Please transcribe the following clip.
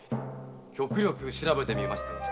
極力調べてみましたが。